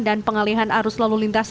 dan pengalihan arus lalu lintas